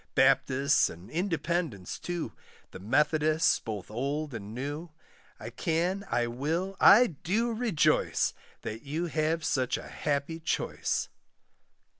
Baptists, and Independents too, The Methodists, both old and new; I can, I will, I do rejoice, That you have such a happy choice.